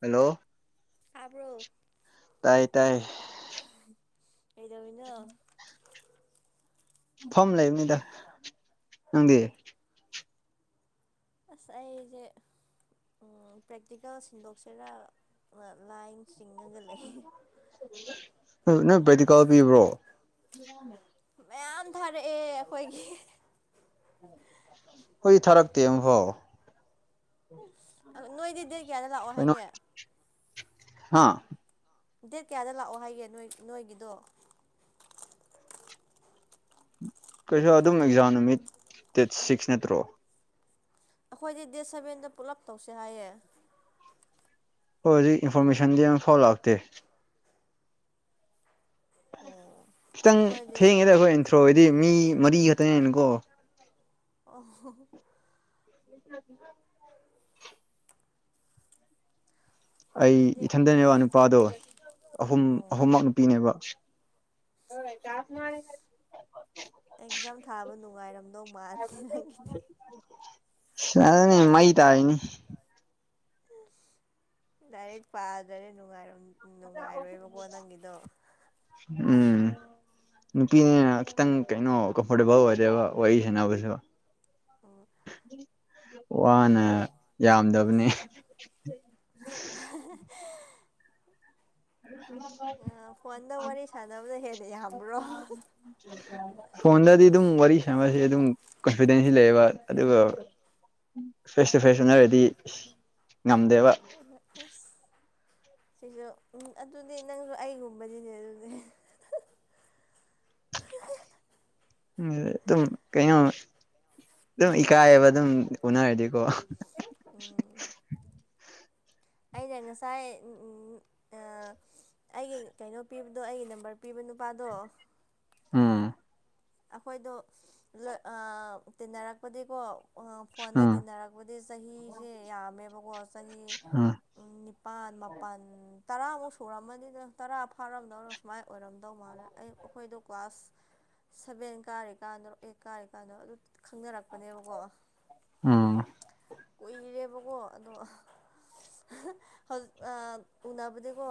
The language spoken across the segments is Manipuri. ꯍꯜꯂꯣ ꯇꯥꯕ꯭ꯔꯣ ꯇꯥꯏ ꯇꯥꯏ ꯀꯩꯗꯋꯅ ꯐꯝ ꯂꯩꯕꯅꯤꯗ ꯅꯪꯗꯤ ꯑꯥꯁ ꯑꯩꯖꯤ ꯄ꯭ꯔꯦꯛꯇꯤꯀꯦꯜ ꯁꯤꯟꯗꯣꯛꯁꯤꯔꯥ ꯂꯥꯏꯟꯁꯥ ꯅꯪ ꯕꯦꯇꯤꯀꯥ ꯄꯤꯕ꯭ꯔꯣ ꯃ ꯑꯟ ꯊꯥꯔ ꯍꯣꯏ ꯊꯥꯔꯛꯇꯦ ꯑꯃꯨꯐꯥꯎ ꯅꯣꯏꯗꯤ ꯗꯦꯠ ꯀꯌꯥꯗ ꯂꯥꯛꯑꯣ ꯍꯥꯏꯒꯦ ꯍꯥꯥ ꯗꯦꯠ ꯀꯌꯥꯗ ꯂꯥꯛꯑꯣ ꯍꯥꯏꯒꯦ ꯅꯣꯏ ꯅꯣꯏꯒꯤꯗꯣ ꯀꯩꯁꯨ ꯑꯗꯨꯝ ꯑꯦꯛꯖꯥꯝ ꯅꯨꯃꯤꯠ ꯗꯦꯠ ꯁꯤꯛꯁ ꯅꯠꯇ꯭ꯔꯣ ꯑꯩꯈꯣꯏꯗꯤ ꯗꯦꯠ ꯁꯚꯦꯟꯗ ꯄꯨꯂꯞ ꯇꯧꯁꯦ ꯍꯥꯏꯌꯦ ꯍꯣꯏ ꯍꯧꯖꯤꯛ ꯏꯟꯐꯣꯔꯃꯦꯁꯟꯗꯤ ꯑꯃ ꯐꯥꯎ ꯂꯥꯛꯇꯦ ꯈꯤꯇꯪ ꯑꯩꯈꯣꯏꯗꯤ ꯊꯦꯡꯉꯦꯗ ꯑꯩꯈꯣꯏ ꯑꯦꯟꯊ꯭ꯔꯣ ꯍꯥꯏꯗꯤ ꯃꯤ ꯃꯔꯤ ꯈꯛꯇꯅꯦꯅꯀꯣ ꯑ [inaudible] ꯑꯩ ꯑꯩꯈꯣꯏꯗꯤ ꯏꯊꯟꯗꯅꯦꯕ ꯅꯨꯄꯥꯗꯣ ꯑꯍꯨꯝ ꯑꯍꯨꯝꯃꯛ ꯅꯨꯄꯤꯅꯦꯕ ꯍꯣꯏ ꯆꯥꯁ ꯃꯥꯔꯦ ꯑꯦꯛꯖꯥꯝ ꯊꯥꯕ ꯅꯨꯡꯉꯥꯏꯔꯝꯗꯧ ꯃꯥꯜꯗꯦ ꯅꯪꯒꯤꯗꯤ ꯁꯔꯦ ꯅ ꯃꯩ ꯇꯥꯏꯅꯤ ꯗꯔ ꯄꯥꯖꯔꯦ ꯅꯅꯨꯡ ꯑꯔꯝ ꯎꯝ ꯅꯨꯄꯤꯅꯦ ꯈꯤꯇꯪ ꯀꯩꯅꯣ ꯀꯝꯐꯣꯔꯇꯦꯕꯜ ꯑꯣꯏꯗꯦꯕ ꯑꯣꯏꯏꯁꯅꯁꯨ ꯋꯥꯅꯦ ꯌꯥꯝꯗꯕꯅꯦ ꯊꯃ ꯋꯥꯟ ꯋꯥ ꯋꯥꯔꯤ ꯁꯗꯅꯕꯗ ꯍꯦꯗꯤ ꯌꯥꯝ ꯐꯣꯟꯣꯟꯗꯗꯤ ꯑꯗꯨꯝ ꯋꯥꯔꯤ ꯁꯃꯁ ꯑꯗꯨꯝ ꯀꯟꯐꯤꯗꯦꯟꯁ ꯁꯤ ꯂꯩꯌꯦꯕ ꯑꯗꯨꯒ ꯐꯦꯁ ꯇꯨ ꯐꯦꯁ ꯎꯟꯅꯔꯗꯤ ꯑꯣꯩꯅ ꯑꯁ ꯁꯤꯁꯨ ꯎ ꯑꯗꯨꯗꯤ ꯅꯪꯁꯨ ꯑꯩꯒꯨꯝꯕꯗꯤꯅꯦ ꯑꯗꯨꯗꯤ [inaudible] ꯎꯝ ꯑꯗꯨꯝ ꯀꯩꯅꯣ ꯑꯗꯨꯝ ꯏꯀꯥꯏꯕ ꯑꯗꯨꯝ ꯎꯅꯔꯗꯤꯀꯣ ꯎꯝ [unintelligible] ꯑꯩꯅ ꯉꯁꯥꯏ ꯑꯩꯒꯤ ꯀꯩꯅꯣ ꯄꯤꯕꯗꯣ ꯑꯩꯒꯤ ꯅꯝꯕꯔ ꯄꯤꯕ ꯅꯨꯄꯥꯗꯣ ꯑꯝ ꯑꯩꯈꯣꯏꯗꯣ ꯇꯤꯟꯅꯔꯛꯄꯗꯤꯀꯣ ꯐꯣꯟꯗ ꯎꯝ ꯇꯤꯟꯅꯔꯛꯄꯗꯤ ꯆꯍꯤꯁꯦ ꯌꯥꯝꯃꯦꯕꯀꯣ ꯆꯍꯤ ꯎꯝ ꯅꯤꯄꯥꯜ ꯃꯥꯄꯜ ꯇꯔꯥꯃꯨꯛ ꯁꯨꯔꯝꯃꯅꯤꯗ ꯇꯔꯥ ꯐꯥꯔꯝꯗꯧꯅ ꯁꯨꯃꯥꯏꯅ ꯑꯣꯏꯔꯝꯗꯧ ꯃꯥꯜꯂꯦ ꯑꯩ ꯑꯩꯈꯣꯏꯗꯣ ꯀ꯭ꯂꯥꯁ ꯁꯚꯦꯟ ꯀꯥꯔꯤꯀꯥꯟꯗꯣ ꯑꯩꯠ ꯀꯥꯔꯤꯀꯥꯟꯗꯣ ꯑꯗꯨ ꯈꯪꯅꯔꯛꯄꯅꯦꯕꯀꯣ ꯎꯝ ꯀꯨꯏꯔꯦꯕꯀꯣ ꯑꯗꯣ ꯍꯧꯖꯤꯛ ꯎꯅꯕꯗꯤꯀꯣ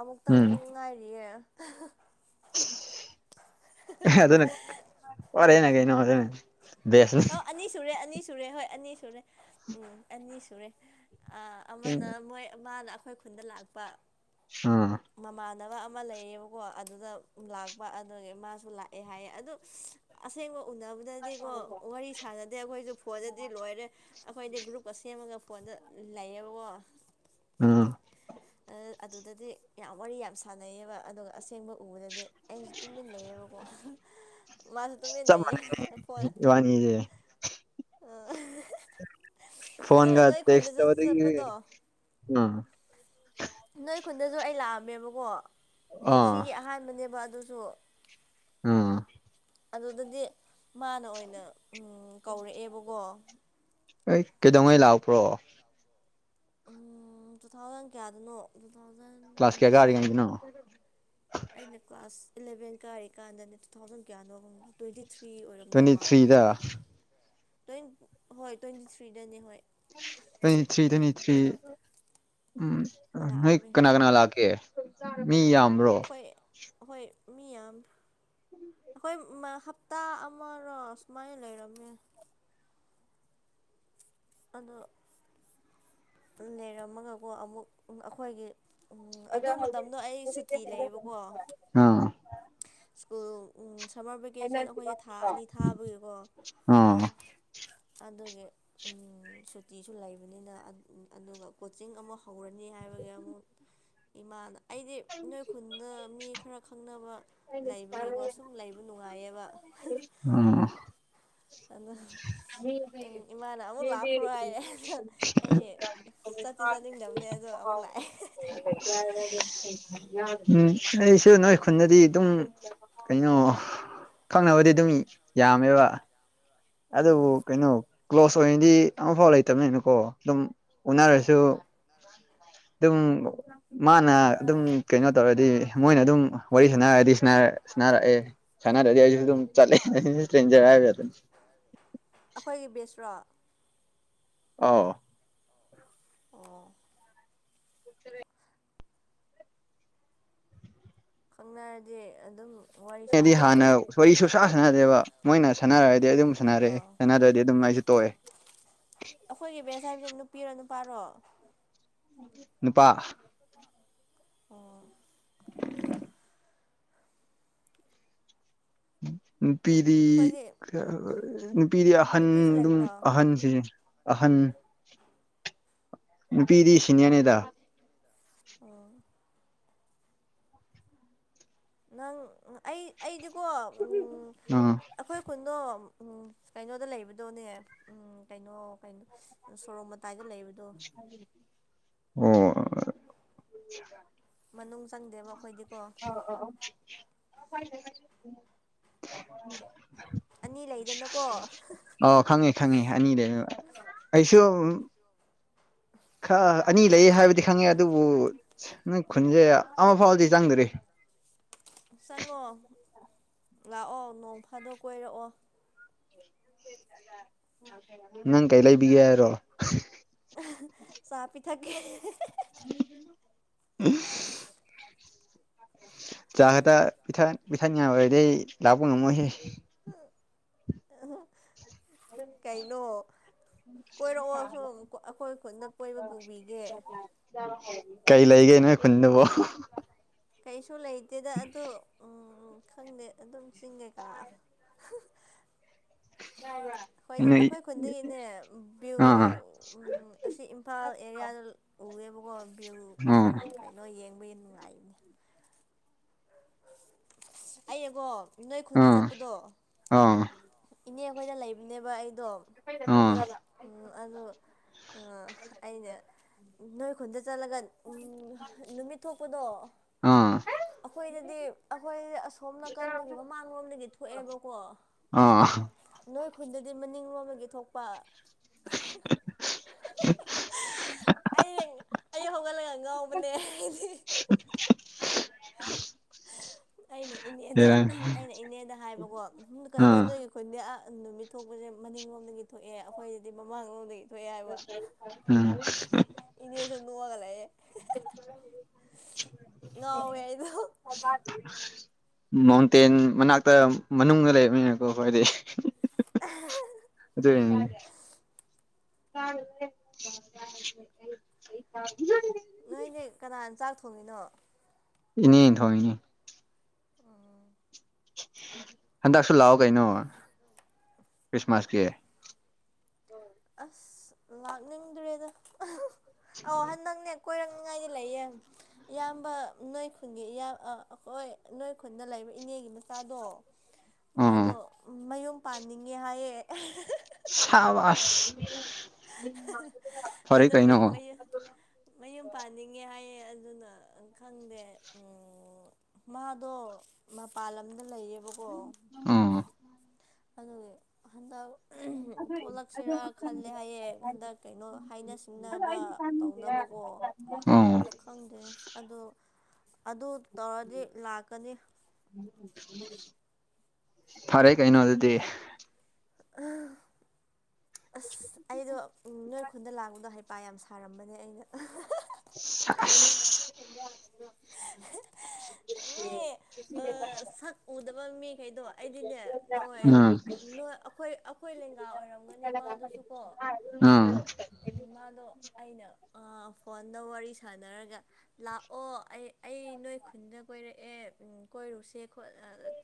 ꯑꯃꯨꯛꯇꯪ ꯉꯥꯏꯔꯤꯌꯦ ꯍꯥ ꯑꯗꯨꯅ [unintelligible] ꯀꯩꯩꯅ ꯍꯦꯅꯦ ꯑ ꯑꯅꯤ ꯁꯨꯔꯦ ꯑꯅꯤ ꯁꯨꯔꯦ ꯍꯣꯏ ꯑꯅꯤ ꯁꯨꯔꯦ ꯎꯝ ꯑꯅꯤ ꯁꯨꯔꯦ ꯑ ꯑꯃꯅ ꯃꯣꯏ ꯃꯥꯅ ꯑꯩꯈꯣꯏ ꯈꯨꯟꯗ ꯂꯥꯛꯄ ꯑꯝ ꯥꯟ ꯑꯃ ꯂꯩꯌꯦꯕꯀꯣ ꯑꯗꯨꯗ ꯂꯥꯛꯄ ꯑꯗꯨꯗꯒꯤ ꯃꯥꯁꯨ ꯂꯥꯛꯑꯦ ꯍꯥꯏꯌꯦ ꯑꯗꯨ ꯑꯁꯦꯡꯕ ꯎꯅꯕꯗꯗꯤꯀꯣ ꯋꯥꯔꯤ ꯁꯥꯟꯅꯗꯦ ꯑꯩꯈꯣꯏꯁꯨ ꯐꯣꯟꯗꯗꯤ ꯂꯣꯏꯔꯦ ꯑꯩꯈꯣꯏꯗꯤ ꯒ꯭ꯔꯨꯞꯀ ꯁꯦꯝ ꯒ ꯐꯣꯟꯗ ꯂꯩꯌꯦꯕꯀꯣ ꯎꯝ ꯑꯗꯨꯗꯗꯤ ꯌꯥꯝ ꯋꯥꯔꯤ ꯌꯥꯝ ꯁꯥꯟꯅꯩꯌꯦꯕ ꯑꯗꯨꯒ ꯑꯁꯦꯡꯕ ꯎꯕꯗꯗꯤ ꯑꯩꯁꯨ ꯇꯨꯃꯤꯟꯅ ꯂꯩꯌꯦꯕꯀꯣ ꯃꯥꯁꯨ ꯇꯨꯃꯤꯟꯅ ꯆꯞ ꯂꯩꯌꯦ ꯃꯥꯟꯅꯩ ꯐꯣꯟꯅ ꯏꯕꯥꯅꯤꯁꯦ ꯑ ꯐꯣꯟꯒ ꯇꯦꯛꯁ ꯑꯩ ꯈꯨꯟꯗꯁꯨ ꯑꯩ ꯂꯥꯛꯑꯝꯃꯦꯕꯀꯣ ꯑꯥ ꯄꯨꯟꯁꯤꯒꯤ ꯑꯍꯥꯟꯕꯅꯦꯕ ꯑꯗꯨꯁꯨl ꯑ ꯑꯗꯨꯗꯗꯤ ꯃꯥꯅ ꯑꯣꯏꯅ ꯀꯧꯔꯛꯑꯦꯕꯀꯣ ꯑꯩ ꯀꯩꯗꯧꯉꯩ ꯂꯥꯛꯄ꯭ꯔꯣ ꯎꯝ ꯇꯨ ꯊꯥꯎꯖꯟ ꯀꯌꯥꯗꯅꯣ ꯇꯨ ꯊꯥꯎꯖꯟ ꯀ꯭ꯂꯥꯁ ꯇ꯭ꯋꯦꯟꯇꯤ ꯀꯌꯥ ꯀꯥꯔꯤꯉꯩꯗꯅꯣ ꯐꯥꯏꯚ ꯑꯩꯅ ꯀ꯭ꯂꯥꯁ ꯏꯂꯚꯦꯟ ꯀꯥꯔꯤꯀꯥꯟꯗꯅꯦ ꯇꯨ ꯊꯥꯎꯖꯟ ꯀꯌꯥꯅꯣꯔꯝꯒꯦ ꯇ꯭ꯋꯦꯟꯇꯤ ꯊ꯭ꯔꯤꯗ ꯇ꯭ꯋꯦꯟ ꯍꯣꯏ ꯇ꯭ꯋꯦꯟꯇꯤ ꯊ꯭ꯔꯤꯗꯅꯦ ꯍꯣꯏ ꯇ꯭ꯋꯦꯟꯇꯤ ꯊ꯭ꯔꯤ ꯇ꯭ꯋꯦꯟꯇꯤ ꯊ꯭ꯔꯤ ꯎꯝ ꯅꯣꯏ ꯂꯥꯛꯑꯝꯃꯦ ꯀꯅꯥ ꯀꯅꯥ ꯂꯥꯛꯀꯦ ꯃꯤ ꯌꯥꯝꯕ꯭ꯔꯣ ꯃꯤꯌꯥꯥꯝꯃꯦ ꯑꯩꯈꯣꯏ ꯍꯞꯇꯥ ꯑꯃꯔꯣ ꯁꯨꯃꯥꯏꯅ ꯂꯩꯔꯝꯃꯦ ꯑꯗꯣ ꯂꯩꯔꯝꯃꯒꯀꯣ ꯑꯃꯨꯛ ꯑꯩꯈꯣꯏꯒꯤ ꯑꯗꯣ ꯑꯗꯨ ꯍꯧꯖꯤꯛ ꯃꯇꯝꯗꯣ ꯑꯩ ꯍꯧꯖꯤꯛ ꯁꯦ ꯁꯨꯇꯤ ꯂꯩꯌꯦꯕꯀꯣ ꯑꯣ ꯎꯝ ꯁꯝꯃꯔ ꯚꯦꯀꯦꯁꯟ ꯑꯩꯈꯣꯏꯁꯦ ꯊꯥ ꯑꯅꯤ ꯊꯥꯕꯒꯤꯀꯣ ꯑꯥ ꯑꯗꯨꯒꯤ ꯁꯨꯇꯤꯁꯨ ꯂꯩꯕꯅꯤꯅ ꯑꯗꯨꯒ ꯀꯣꯆꯤꯡ ꯑꯃ ꯍꯧꯔꯅꯤ ꯍꯥꯏꯕꯒꯤ ꯑꯃꯨꯛ ꯏꯃꯥꯗ ꯑꯩꯗꯤ ꯅꯣꯏ ꯈꯨꯟꯗ ꯃꯤ ꯈꯔ ꯈꯪꯅꯕ ꯂꯩꯕꯒꯤꯀꯣ ꯁꯨꯝ ꯂꯩꯕ ꯅꯨꯡꯉꯥꯏꯌꯦꯕ ꯑꯥ ꯑꯗ [inaudible] ꯎꯝ ꯑꯗꯣ ꯑꯩꯗꯤ ꯆꯠꯇꯤ ꯆꯠꯅꯤꯡꯗꯕꯅꯦ ꯑꯗꯣ ꯑꯃꯨꯛ ꯂꯥꯛꯑꯦ ꯑꯩꯁꯨ ꯅꯣꯏ ꯈꯨꯟꯅꯗꯗꯤ ꯑꯗꯨꯝ ꯀꯩꯅꯣ ꯈꯪꯅꯕꯗꯤ ꯑꯗꯨꯝ ꯌꯥꯝꯃꯦꯕ ꯑꯗꯨꯕꯨ ꯎꯝ ꯀꯩꯅꯣ ꯀ꯭ꯂꯣꯁ ꯑꯣꯏꯅꯗꯤ ꯑꯃꯐꯥꯎ ꯂꯩꯇꯕꯅꯤꯅꯀꯣ ꯑꯗꯨꯝ ꯎꯅꯔꯁꯨ ꯑꯗꯨꯝ ꯃꯥꯅ ꯑꯗꯨꯝ ꯀꯩꯅꯣ ꯇꯧꯔꯗꯤ ꯃꯣꯏꯅ ꯑꯗꯨꯝ ꯋꯥꯔꯤ ꯁꯥꯟꯅꯔꯗꯤ ꯁꯥꯟꯅꯔꯛꯑꯦ ꯁꯅꯥ ꯔꯗꯤ ꯑꯩꯁꯨ ꯑꯗꯨꯨꯝ ꯆꯠꯂꯦ ꯏꯁꯇ꯭ꯔꯦꯟꯖꯔ ꯑꯩꯈꯣꯏꯒꯤ ꯕꯦꯁ꯭ꯔꯣ ꯑꯧ ꯑꯣ ꯈꯪꯅꯔꯗꯤ ꯑꯗꯨꯝ ꯋꯥꯔꯤ ꯑꯩꯗꯤ ꯁꯥꯟꯅꯕ ꯍꯥꯟꯅ ꯋꯥꯔꯤ ꯁꯨꯡꯁꯥ ꯌꯥꯏꯅꯦ ꯁꯥꯟꯅꯗꯦꯕ ꯃꯣꯏꯅ ꯁꯥꯟꯅꯔꯒꯗꯤ ꯑꯗꯨꯝ ꯁꯥꯟꯅꯔꯛꯑꯦ ꯑꯥ ꯁꯥꯟꯅꯗ꯭ꯔꯗꯤ ꯑꯗꯨꯝ ꯑꯩꯁꯨ ꯇꯣꯛꯑꯦ ꯑꯩꯈꯣꯏꯒꯤ ꯕꯦꯁ ꯍꯥꯏꯕꯁꯤ ꯅꯨꯄꯤꯔꯣ ꯅꯨꯄꯥꯔꯣ ꯅꯨꯄꯥ ꯑꯣ [inaudible] ꯅꯨꯄꯤꯗꯤ ꯑꯩꯈꯣꯏꯗꯤ ꯅꯨꯄꯤꯗꯤ ꯑꯍꯟ ꯅꯨꯄꯤꯁꯨ ꯑꯗꯨꯝ ꯂꯩꯕ꯭ꯔꯣ ꯑꯍꯟꯁꯤꯁꯦ ꯑꯍꯟ ꯅꯨꯄꯤꯗꯤ ꯁꯤꯅꯤꯌꯔꯅꯦꯗ ꯑꯣ ꯅꯪ ꯑꯩ ꯑꯩꯗꯤꯀꯣ ꯑꯥ ꯑꯩꯈꯣꯏ ꯈꯨꯟꯗꯣ ꯎ ꯎꯝ ꯀꯩꯅꯣꯗ ꯂꯩꯕꯗꯣꯅꯦ ꯎꯝ ꯀꯩꯅꯣ ꯀꯩꯅꯣ ꯁꯣꯔꯣꯛ ꯄꯥꯏꯒꯠꯂꯕꯗꯣ ꯑꯣ ꯑ ꯃꯅꯨꯡ ꯆꯪꯗꯦꯕ ꯑꯩꯈꯣꯏꯗꯤꯀꯣ ꯑ ꯎ ꯑꯅꯤ ꯂꯩꯗꯅꯀꯣ ꯑꯣ ꯈꯪꯉꯤ ꯈꯪꯉꯤ ꯑꯅꯤꯗ ꯑꯩꯁꯨ ꯈ ꯑꯅꯤ ꯂꯩ ꯍꯥꯏꯕꯗꯤ ꯈꯪꯉꯦ ꯑꯗꯨꯕꯨ ꯅꯪ ꯈꯨꯟꯁꯦ ꯑꯃ ꯐꯥꯎꯕꯗꯤ ꯆꯪꯗ꯭ꯔꯤ [unintelligible] ꯆꯪꯉꯣ ꯂꯥꯛꯑꯣ ꯅꯣꯡ ꯐꯥꯗꯣꯛ ꯀꯣꯏꯔꯛꯑꯣ ꯅꯪ ꯀꯩ ꯂꯩꯕꯤꯒꯦ ꯍꯥꯏꯔꯣ ꯊꯀꯦ ꯎ ꯆ ꯍꯦꯗꯅꯤꯌꯥꯗꯩ ꯂꯅꯥꯕꯣꯅꯝꯃꯣꯏꯍꯦ ꯀꯩꯅꯣ ꯀꯣꯏꯔꯛꯑꯣ ꯁꯨꯝ ꯑꯩꯈꯣꯏ ꯈꯨꯟꯗ ꯀꯣꯏꯕ ꯄꯨꯕꯤꯒꯦ [unintelligible] ꯀꯩ ꯂꯩꯒꯦ ꯅꯣꯏ ꯈꯨꯟꯗꯨꯕꯣ ꯀꯩꯁꯨ ꯂꯩꯇꯦꯗ ꯑꯗꯨ ꯎꯝ ꯈꯪꯗꯦ ꯑꯗꯨꯝ ꯆꯤꯡꯒꯦꯀꯥ ꯍꯣꯏꯗꯤ ꯅꯣꯏ ꯑꯩꯈꯣꯏ ꯈꯨꯟꯗꯒꯤꯅꯦ ꯕꯤ꯭ꯌꯨ ꯑꯥ ꯑꯁꯤ ꯏꯝꯐꯥꯜ ꯑꯦꯔꯤꯌꯥꯗ ꯎꯑꯦꯕ ꯑꯣ ꯚꯌꯨ ꯑꯥ ꯀꯩꯅꯣ ꯌꯦꯡꯕꯒꯤ ꯅꯨꯡꯉꯥꯏꯅꯦ ꯑꯩꯕꯣ ꯅꯣꯏ ꯈꯨꯟꯗ ꯑꯥ ꯆꯠꯄꯗꯣ ꯑꯥ ꯏꯅꯦ ꯑꯩꯈꯣꯏꯗ ꯂꯩꯕꯅꯦꯕ ꯑꯩ ꯑꯗꯣꯝ ꯑꯥ ꯑꯣ ꯑꯩꯅ ꯅꯣꯏ ꯈꯨꯟꯗ ꯆꯠꯂꯒ ꯎꯝ ꯅꯨꯃꯤꯠ ꯊꯣꯛꯄꯗꯣ ꯑꯥ ꯑꯩꯈꯣꯏꯗꯗꯤ ꯑꯩꯈꯣꯏꯗꯤ ꯑꯁꯣꯝ ꯅꯥꯀꯟꯗꯒꯤ ꯃꯃꯥꯡꯂꯣꯝꯗꯒꯤ ꯊꯣꯛꯑꯦꯕꯀꯣ ꯑ ꯑꯩꯈꯣꯏ ꯈꯨꯟꯗꯗꯤ ꯃꯅꯤꯡ ꯂꯣꯝꯃꯒꯤ ꯊꯣꯛꯄ ꯑꯩ ꯑꯩ ꯍꯧꯒꯠꯂꯒ ꯉꯥꯎꯕꯅꯦ ꯑꯩꯗꯤ ꯑꯩꯅ ꯏꯅꯦꯗ ꯕꯦꯔꯥꯅꯤ ꯑꯩꯅ ꯏꯅꯦꯗ ꯍꯥꯏꯕꯀꯣ ꯀꯩꯅꯣ ꯑꯥ ꯅꯣꯏꯒꯤ ꯈꯨꯟꯗꯤ ꯅꯨꯃꯤꯠ ꯊꯣꯛꯄꯁꯦ ꯃꯅꯤꯡꯂꯣꯝꯗꯒꯤ ꯊꯣꯛꯑꯦ ꯑꯩꯈꯣꯏꯁꯤꯗꯤ ꯃꯃꯥꯡꯂꯣꯝꯗꯒꯤ ꯊꯣꯛ ꯊꯣꯛꯑꯦ ꯍꯥꯏꯕ ꯎꯝ ꯏꯅꯦꯁꯨ ꯅꯣꯛꯑꯒ ꯂꯩꯌꯦꯦ ꯅꯋꯗ ꯃꯥꯎꯟꯇꯦꯟ ꯃꯅꯥꯛꯇ ꯃꯅꯨꯡꯗ ꯂꯩꯕꯅꯤꯅꯀꯣ ꯍꯥꯏꯣꯏꯗꯤ ꯑꯗꯨ ꯀ ꯅꯣꯏꯅꯦ ꯀꯅꯥꯅ ꯆꯥꯛ ꯊꯣꯡꯉꯤꯅꯣ ꯏꯅꯤ ꯊꯅꯤ ꯎꯝ ꯍꯟꯗꯛꯁꯨ ꯂꯥꯛꯑꯣ ꯀꯩꯅꯣ ꯈ꯭ꯔꯤꯁꯃꯥꯁꯀꯤ ꯑꯁ ꯂꯥꯛꯅꯤꯡꯗ꯭ꯔꯦꯗ ꯑꯧ ꯍꯍꯟ ꯅꯪꯅꯦ ꯀꯣꯏꯔꯛꯅꯤꯉꯥꯏꯗꯤ ꯂꯩꯌꯦꯡ ꯏꯌꯥꯝꯕ ꯅꯣꯏ ꯈꯨꯟꯒꯤ ꯏꯌꯥꯝ ꯑꯩꯈꯣꯏ ꯅꯣꯏ ꯈꯨꯟꯗ ꯂꯩꯕ ꯏꯅꯦꯒꯤ ꯃꯆꯥꯗꯣ ꯑꯥ ꯃꯥꯗꯣ ꯃꯌꯨꯝ ꯄꯥꯟꯅꯤꯡꯉꯦ ꯍꯥꯏꯌꯦꯦ ꯁꯕ ꯐꯔ ꯀꯩꯅ ꯑꯗꯨꯒꯤ ꯍ ꯃꯌꯨꯝ ꯃꯌꯨꯝ ꯄꯥꯟꯅꯤꯡꯉꯦ ꯍꯥꯏꯌꯦ ꯑꯗꯨꯅ ꯈꯪꯗꯦ ꯃꯥꯗꯣ ꯃꯄꯥꯟ ꯂꯝꯗ ꯂꯩꯌꯦꯕꯀꯣ ꯑꯗꯨꯗꯤ ꯍꯟꯗꯛ ꯊꯣꯛꯂꯛꯁꯤꯔꯥ ꯈꯜꯂꯦ ꯍꯥꯏꯌꯦꯡ ꯍꯟꯗꯛ ꯀꯩꯅꯣ ꯍꯥꯏꯅ ꯁꯤꯡꯅꯕ ꯇꯧꯅꯕ ꯎꯝ ꯈꯪꯗꯦ ꯑꯗꯨ ꯑꯗꯨ ꯇꯧꯔꯗꯤ ꯂꯥꯛꯀꯅꯤ ꯐꯔꯦ ꯀꯩꯅꯣ ꯑꯗꯨꯗꯤ ꯑꯁ ꯑꯩꯗꯣ ꯅꯣꯏ ꯑꯩꯣꯟꯗ ꯂꯥꯡꯕꯗꯣ ꯍꯩꯄꯥ ꯌꯥꯝ ꯁꯥꯔꯝꯕꯅꯦ ꯑꯩꯅ ꯃꯤ [unintelligible] ꯁꯛ ꯎꯗꯕ ꯃꯤꯈꯩꯗꯣ ꯑꯩꯗꯤꯅꯦ ꯑꯩꯈꯣꯏ ꯎꯝ ꯑꯩꯈꯣꯏ ꯑꯩꯈꯣꯏ ꯂꯤꯡꯒꯥ ꯑꯣꯏꯔꯝꯒꯅꯤ ꯃꯥꯗꯨꯁꯨ ꯀꯣ ꯎꯝ ꯃꯥꯗꯣ ꯑꯩꯅ ꯐꯣꯟꯗ ꯋꯥꯔꯤ ꯁꯥꯟꯅꯔꯒ ꯂꯥꯛꯑꯣ ꯑꯩ ꯑꯩ ꯅꯣꯏ ꯈꯨꯟꯗ ꯀꯣꯏꯔꯦ ꯀꯣꯏꯔꯨꯁꯦ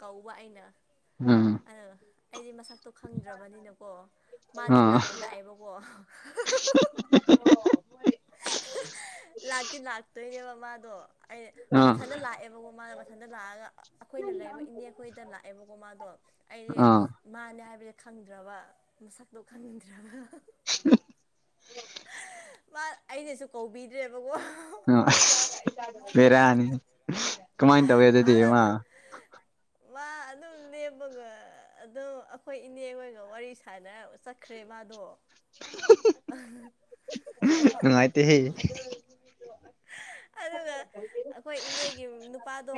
ꯀꯧꯕ ꯑꯩꯅ ꯎꯝ ꯎꯝ ꯑ ꯑꯩꯗꯤ ꯃꯁꯛ ꯇꯣ ꯈꯪꯗ꯭ꯔꯕꯅꯤꯅꯀꯣ ꯃꯥꯗꯤ ꯑꯥ ꯂꯥꯛꯇꯤ ꯂꯥꯛꯑꯦꯕꯀꯣ ꯂꯥꯛꯇꯤ ꯂꯥꯛꯇꯣꯏꯅꯦꯕ ꯃꯥꯗꯣ ꯑꯩ ꯑꯥ ꯃꯊꯟꯇ ꯂꯥꯛꯑꯦꯕꯀꯣ ꯃꯥꯗꯣ ꯃꯊꯟꯇ ꯂꯥꯛꯑꯒ ꯑꯩꯈꯣꯏꯅ ꯂꯩꯔꯤꯕ ꯏꯅꯦꯈꯣꯏꯗ ꯂꯥꯛꯑꯦꯕꯀꯣ ꯃꯥꯗꯣ ꯑꯩꯗꯤ ꯑꯥ ꯃꯥꯅꯦ ꯍꯥꯏꯕꯁ ꯈꯪꯗ꯭ꯔꯕ ꯃꯁꯛꯇꯣ ꯈꯪꯗ꯭ꯔꯕ [inaudible] ꯃꯥ ꯑꯩꯅꯁꯨ ꯀꯧꯕꯤꯗ꯭ꯔꯦꯕꯀꯣ ꯑ ꯑꯁ ꯕꯦꯔꯥꯅꯤ ꯀꯃꯥꯏꯅ ꯇꯧꯋꯦ ꯃꯥꯅ ꯑꯗꯨꯗꯤꯃ ꯑꯗꯨꯝ ꯃꯥ [inaudible] ꯑꯗꯨꯝ ꯂꯦꯞꯄꯒ ꯑꯗꯨꯝ ꯑꯩꯈꯣꯏ ꯏꯅꯦ ꯍꯣꯏꯒ ꯋꯥꯔꯤ ꯁꯅꯔ ꯆꯠꯈ꯭ꯔꯦ ꯃꯥꯗꯣ ꯅꯨꯡꯥꯏꯇ ꯍꯦ [inaudible] ꯑꯗꯨꯒ ꯑꯩꯈꯣꯏ ꯏꯅꯦꯒꯤ ꯅꯨꯄꯥꯗꯣ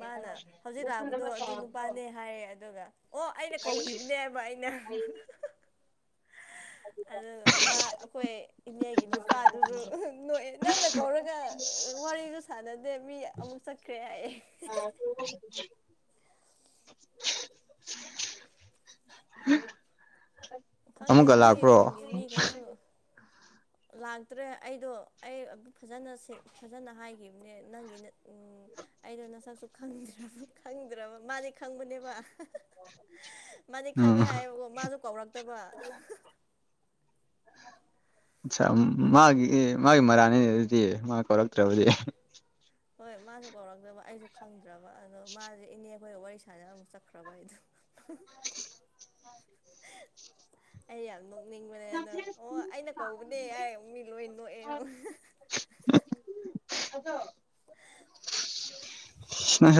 ꯃꯥꯅ ꯍꯧꯖꯤꯛ ꯂꯥꯛꯄꯗꯣ ꯑꯗꯨ ꯅꯨꯄꯥꯅꯦ ꯍꯥꯏꯌꯦꯦ ꯑꯗꯨꯒ ꯑꯣ ꯑꯩꯅ ꯀꯧꯈꯤꯕꯅꯦꯕ ꯑꯩꯅ ꯑꯗꯨ ꯃꯥ ꯑꯩꯈꯣꯏ ꯏꯅꯦꯒꯤ ꯅꯨꯄꯥꯗꯨꯁꯨ ꯅꯣꯏ ꯅꯪꯅ ꯀꯧꯔꯒ ꯋꯥꯔꯤꯒ ꯁꯥꯟꯅꯗꯦ ꯃꯤ ꯑꯃꯨꯛ ꯆꯠꯈ꯭ꯔꯦ ꯑꯩ ꯈꯪꯗꯦ ꯑꯃꯨꯛꯀ ꯅꯣꯏꯒꯤ ꯂꯥꯛꯄ꯭ꯔꯣ ꯈꯨꯟꯒꯤ ꯃꯤꯈꯩꯁꯨ ꯂꯥꯛꯇ꯭ꯔꯦ ꯑꯩꯗꯣ ꯑꯩ ꯐꯖꯅ ꯐꯖꯅ ꯍꯥꯏꯈꯤꯕꯅꯦ ꯅꯪꯒꯤ ꯎꯝ ꯑꯩꯗꯣ ꯅꯁꯛꯁꯨ ꯈꯪꯗ ꯈꯪꯗ꯭ꯔꯕ ꯃꯥꯅꯤ ꯈꯪꯕꯅꯦꯕ ꯃꯥꯗꯤ ꯎꯝ ꯈꯪꯉꯦ ꯍꯥꯏꯕꯀꯣ ꯃꯥꯁꯨ ꯀꯧꯔꯛꯇꯕ ꯃꯥꯒꯤ ꯑꯗꯣ ꯃꯥꯒꯤ ꯃꯔꯥꯅꯤ ꯑꯗꯨꯗꯤ ꯃꯥ ꯀꯧꯔꯛꯇ꯭ꯔꯕꯗꯤ ꯍꯣꯏ ꯃꯥꯁꯨ ꯀꯧꯔꯛꯇꯕ ꯑꯩꯁꯨ ꯈꯪꯗ꯭ꯔꯕ ꯑꯗꯣ ꯃꯥꯁꯦ ꯏꯅꯦ ꯑꯩꯈꯣꯏ ꯋꯥꯔꯤ ꯁꯥꯅ ꯑꯃꯨꯛ ꯆꯠꯈ꯭ꯔꯕ ꯍꯥꯏ ꯑꯗꯨ ꯑꯣ ꯅꯣꯛꯅꯤꯡꯕꯅꯦ ꯑꯗ ꯑꯣ ꯑꯩꯅ ꯀꯧꯕꯅꯦ ꯌꯥꯔ ꯃꯤ ꯂꯣꯏ ꯅꯣꯛꯑꯦ ꯗ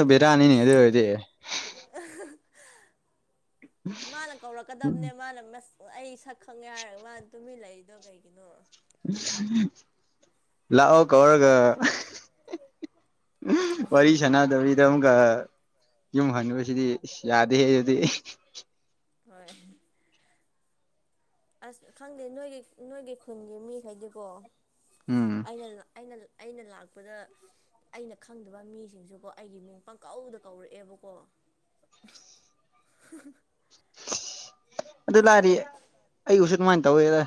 ꯕꯤꯔꯅꯤꯅꯤ ꯑꯁ ꯑꯗꯨꯗ ꯏꯦ ꯃꯥꯅ ꯀꯧꯔꯛꯀꯗꯕꯅꯦ ꯃꯥꯅꯁ ꯑꯩ ꯁꯛ ꯈꯪꯦ ꯍꯥꯏꯔꯒ ꯃꯥ ꯇꯨꯃꯤ ꯂꯩꯛꯏꯗꯣ ꯀꯩꯒꯤꯅꯣ ꯂꯥꯛꯑꯣ ꯀꯧꯔꯒ ꯎ ꯋꯥꯔꯤꯔꯤ ꯆꯅꯥꯗꯧꯔꯤ ꯁꯤꯗ ꯑꯃꯨꯛꯀ ꯌꯨꯝ ꯍꯨꯕꯁꯤꯗꯤ ꯌꯥꯗꯦ ꯑꯗꯨꯗꯤ ꯍꯣꯏ ꯑꯁ ꯈꯪꯗꯦ ꯅꯣꯏꯒꯤ ꯅꯣꯏꯒꯤ ꯈꯨꯟꯒꯤ ꯃꯤꯈꯩꯗꯤꯀꯣ ꯎꯝ ꯑꯩꯅ ꯑꯩꯅ ꯑꯩꯅ ꯂꯥꯛꯄꯗ ꯑꯩꯅ ꯈꯪꯗꯕ ꯃꯤꯁꯤꯡꯁꯨꯀꯣ ꯑꯩꯒꯤ ꯃꯤꯡ ꯄꯪꯀꯧꯗ ꯀꯧꯔꯛꯑꯦꯕꯀꯣ [inaudible] [inaudible] ꯑꯗꯨ ꯂꯥꯛꯔꯤꯌꯦ ꯑꯩꯕꯨꯁꯨ ꯑꯗꯨꯃꯥꯏꯅ ꯇꯧꯋꯦꯗ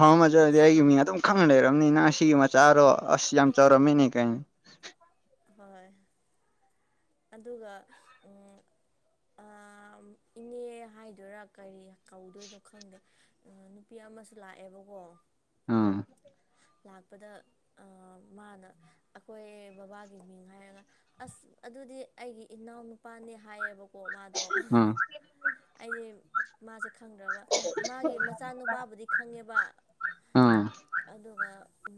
ꯍꯥꯎ ꯃꯖꯥꯗꯗꯤ ꯑꯁ ꯍꯥꯏꯏ ꯃꯤ ꯑ ꯈꯪ ꯂꯩꯔꯣ ꯑꯅꯤ ꯁꯤ ꯃ ꯆꯥꯔꯣ ꯑꯁꯤ ꯌꯥꯝ ꯆꯔꯣ ꯃꯅꯦ ꯀꯥꯏ ꯍꯣꯏ ꯑꯗꯨꯒ ꯏꯅꯦ ꯍꯥꯏꯗꯣꯏꯔꯥ ꯀꯔꯤ ꯀꯧꯗꯣꯏꯅꯣ ꯈꯪꯗꯦ ꯅꯨꯄꯤ ꯑꯃꯁꯨ ꯂꯥꯛꯑꯦꯕꯀꯣ ꯑꯥ ꯂꯥꯛꯄꯗ ꯃꯥꯅ ꯑꯩꯈꯣꯏ ꯕꯕꯥꯒꯤ ꯃꯤꯡ ꯍꯥꯏꯔꯒ ꯑꯁ ꯑꯗꯨ ꯑꯗꯨꯗꯤ ꯑꯩꯒꯤ ꯏꯅꯥꯎ ꯅꯨꯄꯥꯅꯦ ꯍꯥꯏꯌꯦꯕꯀꯣ ꯃꯥꯗꯣ ꯑꯥ ꯑꯩꯗꯤ ꯃꯥꯁꯦ ꯈꯪꯗ꯭ꯔꯕ ꯃꯥꯒꯤ ꯃꯆꯥꯅꯨꯄꯥꯕꯨꯗꯤ ꯈꯪꯉꯦꯕ ꯑꯥ ꯑꯗꯨꯒ